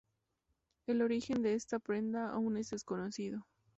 El origen de esta prenda aún es desconocido.